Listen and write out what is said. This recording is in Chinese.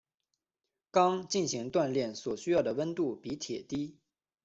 钢进行锻焊所需要的温度比铁低。